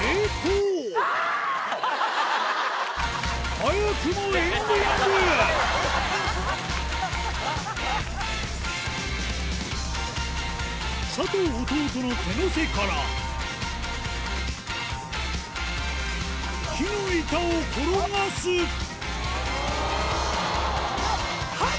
早くも佐藤弟の手乗せから木の板を転がすよっ！